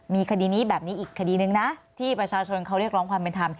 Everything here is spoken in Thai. มีคดีนี้แบบนี้อีกคดีนึงนะที่ประชาชนเขาเรียกร้องความเป็นธรรม